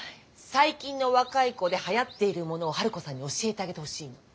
最近の若い子ではやっているものを春子さんに教えてあげてほしいの。